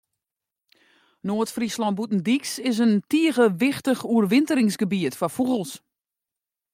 Noard-Fryslân Bûtendyks is in tige wichtich oerwinteringsgebiet foar fûgels.